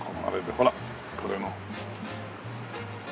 ほらこれの。